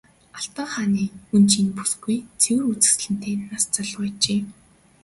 Алтан хааны гүнж энэ бүсгүй цэвэр үзэсгэлэнтэй нас залуу ажээ.